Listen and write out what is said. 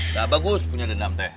nggak bagus punya dendam teh